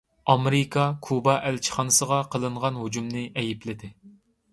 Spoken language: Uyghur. ئامېرىكا كۇبا ئەلچىخانىسىغا قىلىنغان ھۇجۇمنى ئەيىبلىدى.